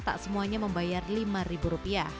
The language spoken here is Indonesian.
tak semuanya membayar lima rupiah